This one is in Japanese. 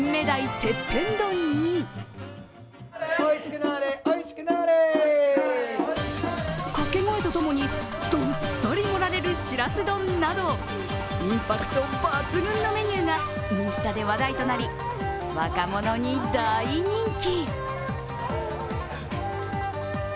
てっぺん丼にかけ声とともにどっさり盛られる、しらす丼などインパクト抜群のメニューがインスタで話題となり若者に大人気。